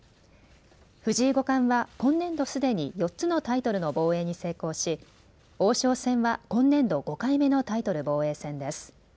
藤井五冠は今年度すでに４つのタイトルの防衛に成功し王将戦は今年度５回目のタイトル防衛戦です。